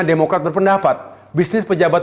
demokrat berpendapat bisnis pejabat